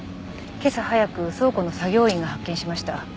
今朝早く倉庫の作業員が発見しました。